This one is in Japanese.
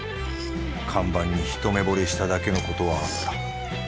看板にひと目惚れしただけのことはあった。